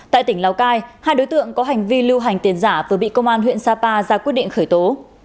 tại tỉnh lào cai hai đối tượng có hành vi lưu hành tiền giả vừa bị công an huyện sapa ra quyết định khởi tố